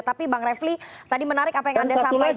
tapi bang refli tadi menarik apa yang anda sampaikan